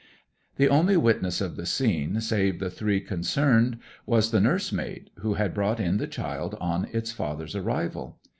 The only witness of the scene save the three concerned was the nursemaid, who had brought in the child on its father's arrival.